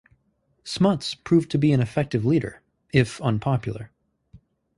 Smuts proved to be an effective leader, if unpopular.